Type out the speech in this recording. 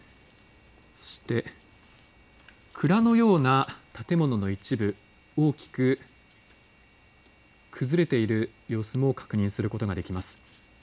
そして蔵のような建物の一部、大きく崩れている様子も確認することができます。